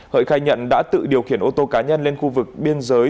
hợi khai nhận đã tự điều khiển ô tô cá nhân lên khu vực biên giới